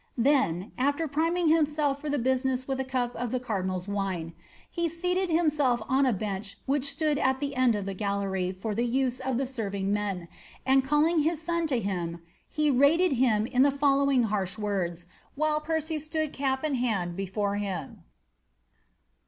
1 priming himself for the business with a cup of the cardinal' ' OavendUh. ▲ KKS BOLBTR. 137 seated himself on a bench which stood at the end of the gallery for the use of the serving men, and calling his son to him, he rated hini in the following harsh words,' while Percy stood cap in hand before him.